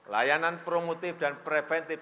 layanan promotif dan preventif